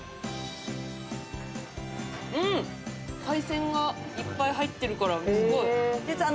うん、海鮮がいっぱい入っているから、すごい！